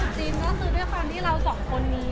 สูตรจีนก็ซื้อด้วยความที่เราสองคนนี้